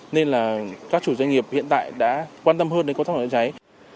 nên là các chủ doanh nghiệp hiện tại đã quan tâm hơn đến công tác quản lý cháy